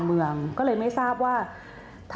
ก็พูดเสียงดังฐานชินวัฒน์